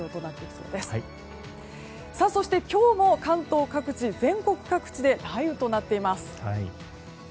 そして、今日も関東各地全国各地で雷雨となっています。